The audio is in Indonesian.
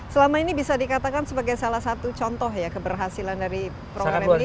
selama ini bisa dikatakan sebagai salah satu contoh ya keberhasilan dari program ini